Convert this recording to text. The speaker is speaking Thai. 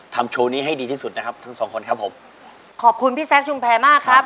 โชว์นี้ให้ดีที่สุดนะครับทั้งสองคนครับผมขอบคุณพี่แซคชุมแพรมากครับ